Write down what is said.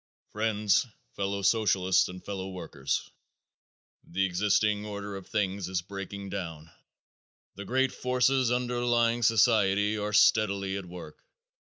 Friends, Fellow Socialists and Fellow Workers: The existing order of things is breaking down. The great forces underlying society are steadily at work.